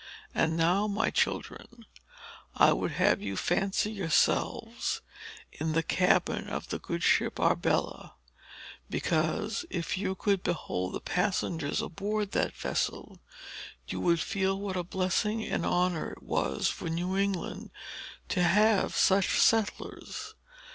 And now, my children, I would have you fancy yourselves in the cabin of the good ship Arbella; because if you could behold the passengers aboard that vessel, you would feel what a blessing and honor it was for New England to have such settlers.